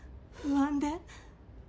不安で。